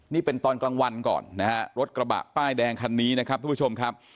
นี่เป็นตอนกลางวันก่อนนะฮะรถกระบะป้ายแดงคันนี้นะครับทุกผู้ชมครับ